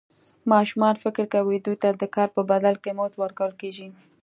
ماشومان فکر کوي دوی ته د کار په بدل کې مزد ورکول کېږي.